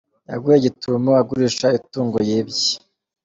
Yaguwe gitumo agurisha itungo yibye